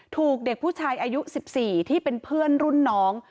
ถูกเด็กผู้ชายอายุ๑๔ที่เป็นเพื่อนรุ่นน้อง